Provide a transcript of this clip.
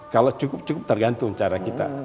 kalau cukup cukup tergantung cara kita